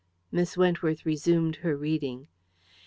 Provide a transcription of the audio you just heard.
Miss Wentworth resumed her reading.